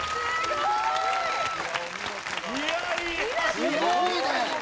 すごいね！